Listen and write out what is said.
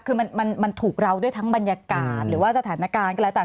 คือมันถูกเราด้วยทั้งบรรยากาศหรือว่าสถานการณ์ก็แล้วแต่